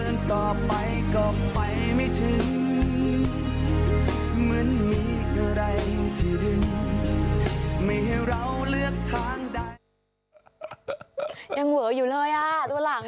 ยังเหวออยู่เลยตัวหลัง